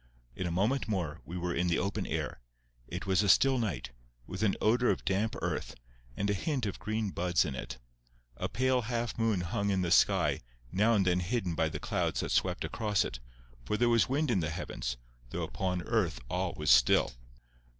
In a moment more we were in the open air. It was a still night, with an odour of damp earth, and a hint of green buds in it. A pale half moon hung in the sky, now and then hidden by the clouds that swept across it, for there was wind in the heavens, though upon earth all was still.